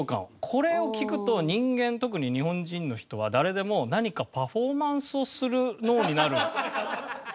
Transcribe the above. これを聴くと人間特に日本人の人は誰でも何かパフォーマンスをする脳になるんじゃないかなっていう。